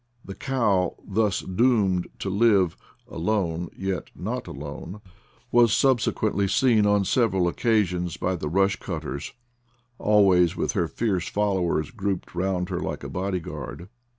The cow, thus doomed to live " alone, yet not alone,' 9 was subsequently seen on several occasions by the rush cutters, always with her fierce followers grouped round her like a bodyguard.